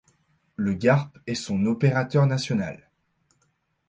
Le Garp est son opérateur national.